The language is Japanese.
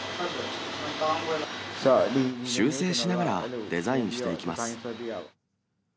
修正しながらデザインしていきます。